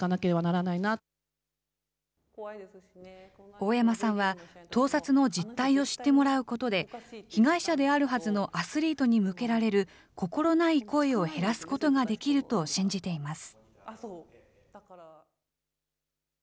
大山さんは、盗撮の実態を知ってもらうことで、被害者であるはずのアスリートに向けられる心ない声を減らすことができると信じています。